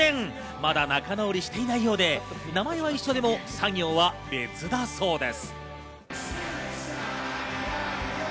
まだ仲直りしていないようで名前は一緒でも作業は別だそうです。